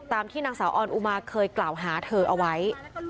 ตามที่นางสาวออนอุมาเคยกล่าวหาเธอเอาไว้